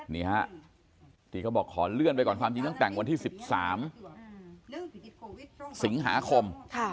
นี่ฮะที่เขาบอกขอเลื่อนไปก่อนความจริงต้องแต่งวันที่๑๓สิงหาคม